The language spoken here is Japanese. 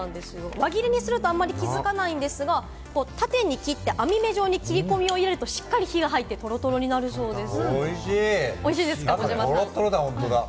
輪切りにすると気付かないんですが、縦に切って網目状に切り込みを入れると、しっかり火が入ってトロトロになるそうです。